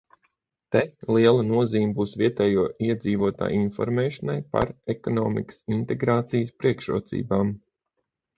Te liela nozīme būs vietējo iedzīvotāju informēšanai par ekonomikas integrācijas priekšrocībām.